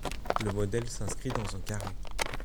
Le modèle s'inscrit dans un carré.